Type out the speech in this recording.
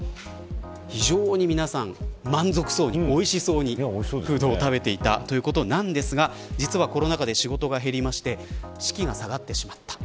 非常に皆さん、満足そうにおいしそうにフードを食べていったということですが実は、コロナ禍で仕事が減って士気が下がってしまった。